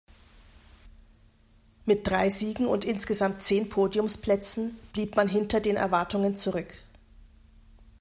Mit drei Siegen und insgesamt zehn Podiumsplätzen blieb man hinter den Erwartungen zurück.